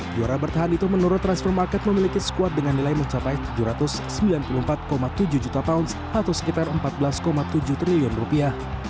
juara bertahan itu menurut transfer market memiliki squad dengan nilai mencapai tujuh ratus sembilan puluh empat tujuh juta pounds atau sekitar empat belas tujuh triliun rupiah